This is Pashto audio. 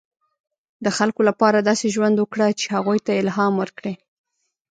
• د خلکو لپاره داسې ژوند وکړه، چې هغوی ته الهام ورکړې.